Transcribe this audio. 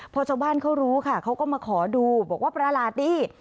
พอชาวบ้านเขารู้ค่ะเขาก็มาขอดูบอกว่าประหลาดดี